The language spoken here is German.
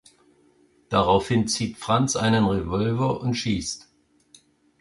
Daraufhin zieht Franz einen Revolver und schießt.